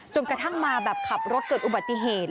กระทั่งมาแบบขับรถเกิดอุบัติเหตุ